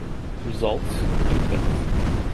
Results Details